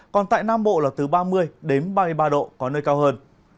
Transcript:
còn tại nam bộ là từ ba mươi đến ba mươi ba độ có nơi cao hơn